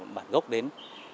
bản gốc đến